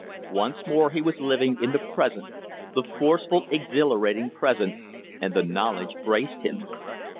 Once more he was living in the present the forceful, exhilarating present, and the knowledge braced him.